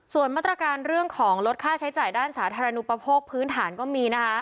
ส่วนมาตรการเรื่องของลดค่าใช้จ่ายด้านสาธารณูประโภคพื้นฐานก็มีนะคะ